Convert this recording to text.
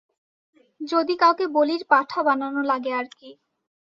যদি কাউকে বলির পাঠা বানানো লাগে আরকি।